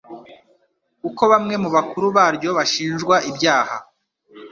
kuko bamwe mu bakuru baryo bashinjwa ibyaha